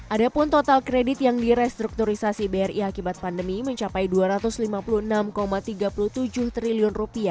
adapun total kredit yang direstrukturisasi bri akibat pandemi mencapai rp dua ratus lima puluh enam tiga puluh tujuh triliun